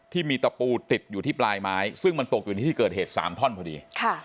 ที่มีตะปูติดอยู่ที่ปลายไม้ซึ่งมันตกอยู่ในที่เกิดเหตุ๓ท่อนพอดี